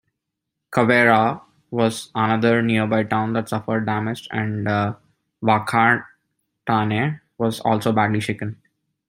Kawerau was another nearby town that suffered damage and Whakatane was also badly shaken.